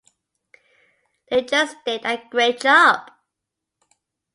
They just did a great job.